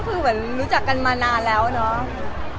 คือเหมือนรู้จักกันมานานแล้วเนาะ